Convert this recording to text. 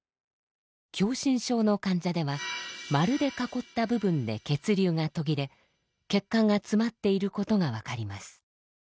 狭心症の患者では丸で囲った部分で血流が途切れ血管が詰まっていることが分かります。